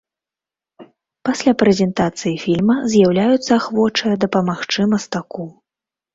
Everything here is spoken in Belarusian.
Пасля прэзентацыі фільма з'яўляюцца ахвочыя дапамагчы мастаку.